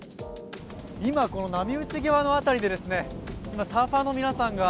今この波打ち際の辺りでサーファーの皆さんが、